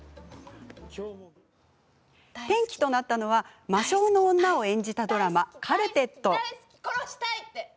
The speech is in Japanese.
転機となったのは魔性の女を演じたドラマ「カルテット」。